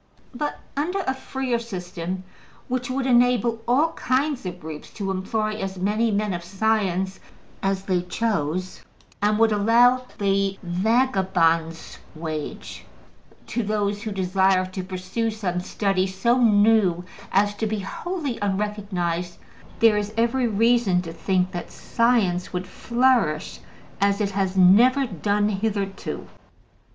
But under a freer system, which would enable all kinds of groups to employ as many men of science as they chose, and would allow the ``vagabond's wage'' to those who desired to pursue some study so new as to be wholly unrecognized, there is every reason to think that science would flourish as it has never done hitherto.